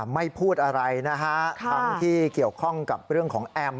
ไม่พูดอะไรนะฮะทั้งที่เกี่ยวข้องกับเรื่องของแอม